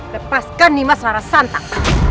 lepaskan nih mas rara santan